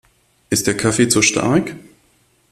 Ist der Kaffee zu stark?